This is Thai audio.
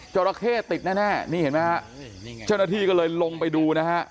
เจ้าระเข้ติดแน่นี่เห็นไหมฮะเจ้าระเข้ก็เลยลงไปดูนะฮะ